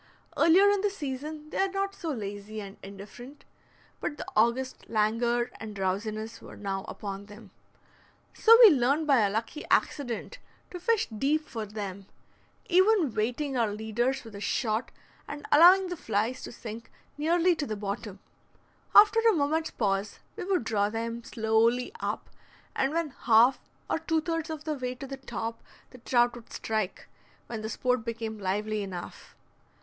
Earlier in the season they are not so lazy and indifferent, but the August languor and drowsiness were now upon them. So we learned by a lucky accident to fish deep for them, even weighting our leaders with a shot, and allowing the flies to sink nearly to the bottom. After a moment's pause we would draw them slowly up, and when half or two thirds of the way to the top the trout would strike, when the sport became lively enough.